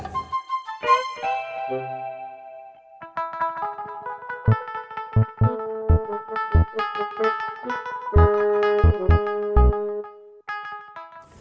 ketika mereka punya uang